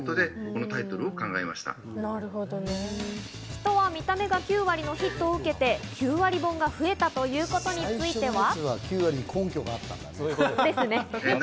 『人は見た目が９割』のヒットを受けて、９割本が増えたということについては。